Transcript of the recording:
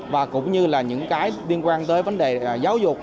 và cũng như là những cái liên quan tới vấn đề giáo dục